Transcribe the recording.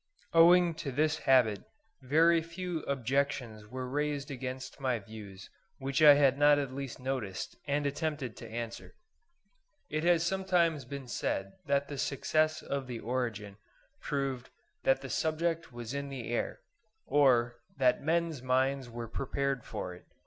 Owing to this habit, very few objections were raised against my views which I had not at least noticed and attempted to answer. It has sometimes been said that the success of the 'Origin' proved "that the subject was in the air," or "that men's minds were prepared for it."